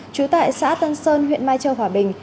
trú tại xã tân sơn huyện mai châu hòa bình